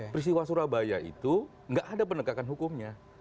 peristiwa surabaya itu nggak ada penegakan hukumnya